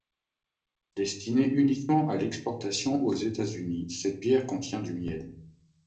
Destinée uniquement à l'exportation aux États-Unis, cette bière contient du miel.